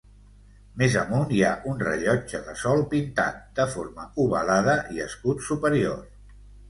Més amunt hi ha un rellotge de sol pintat, de forma ovalada i escut superior.